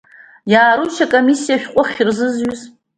Иаарушь акомиссиа ашәҟәы ахьырзызҩыз?